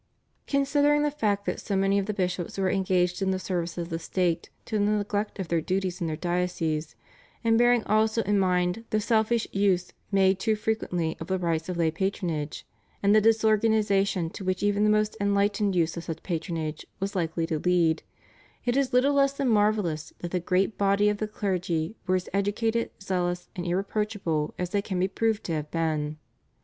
Considering the fact that so many of the bishops were engaged in the service of the State to the neglect of their duties in their dioceses, and bearing also in mind the selfish use made too frequently of the rights of lay patronage and the disorganisation to which even the most enlightened use of such patronage was likely to lead, it is little less than marvellous that the great body of the clergy were as educated, zealous, and irreproachable as they can be proved to have been.